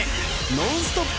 ノンストップ！